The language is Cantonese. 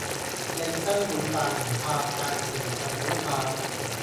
利申會扮唔怕，但其實好怕